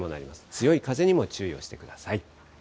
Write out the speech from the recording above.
強い風にも注意をしてください。